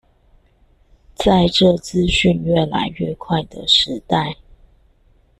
在這資訊越來越快的時代